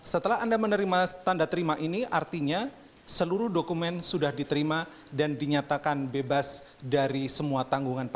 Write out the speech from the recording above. setelah anda menerima tanda terima ini artinya seluruh dokumen sudah diterima dan dinyatakan bebas dari semua tanggungan